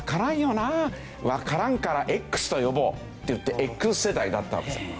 「わからんからＸと呼ぼう」っていってＸ世代になったんですよ。